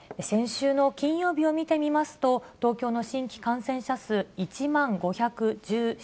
先週の金曜日を見てみますと、東京の新規感染者数１万５１７人。